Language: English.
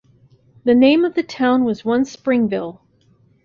The name of the town was once Springville.